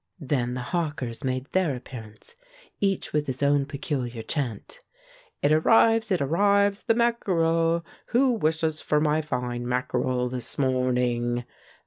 Then the hawkers made their appearance, each with his own peculiar chant. "It arrives, it arrives, the mackerel! Who wishes for my fine mackerel this morning?"